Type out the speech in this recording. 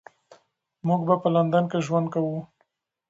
موږ به په لندن کې ژوند کوو.